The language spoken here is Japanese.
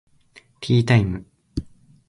ティータイム